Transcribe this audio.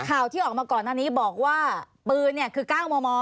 ข่าวที่ออกมาก่อนหน้านี้บอกว่าปืนคือก้าวมอ